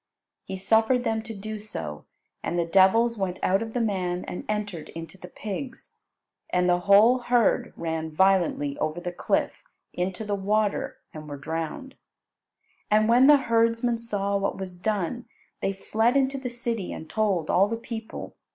He suffered them to do so, and the devils went out of the man and entered into the pigs, and the whole herd ran violently over the cliff into the water and were drowned. And when the herdsmen saw what was done, they fled into the city and told all the people.